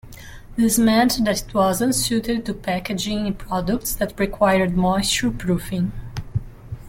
This meant that it was unsuited to packaging products that required moisture proofing.